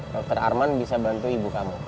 dokter arman bisa bantu ibu kamu